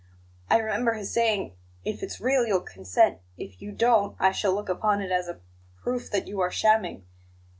I remember his saying: 'If it's real, you'll consent; if you don't, I shall look upon it as a p proof that you are shamming.'